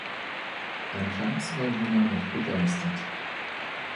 Anfangs war Lina noch begeistert.